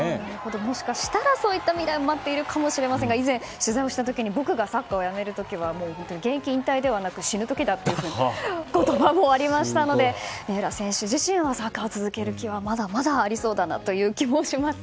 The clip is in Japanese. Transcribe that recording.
もしかしたらそういう未来も待っているかもしれませんが以前、取材をした時には僕がサッカーをやめる時は現役をやめる時ではなくて死ぬ時だという言葉もありましたので三浦選手自身はサッカーを続ける気はまだまだありそうだなという気がします。